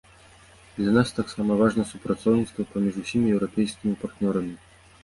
Для нас таксама важна супрацоўніцтва паміж усімі еўрапейскімі партнёрамі.